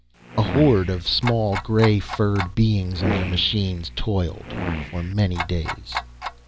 A horde of small, grey furred beings and their machines, toiled for many days.